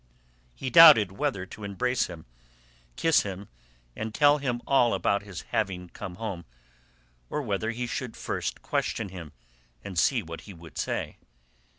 He doubted whether to embrace him, kiss him, and tell him all about his having come home, or whether he should first question him and see what he would say.